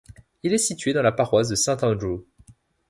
Il est situé dans la paroisse de Saint-Andrew.